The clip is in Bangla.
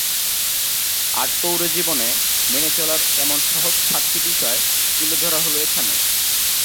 আটপৌরে জীবনে মেনে চলার এমন সহজ সাতটি বিষয় তুলে ধরা হলো এখানে।